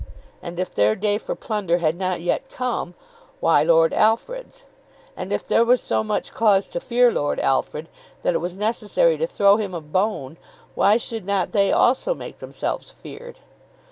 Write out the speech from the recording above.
And if their day for plunder had not yet come, why had Lord Alfred's? And if there was so much cause to fear Lord Alfred that it was necessary to throw him a bone, why should not they also make themselves feared?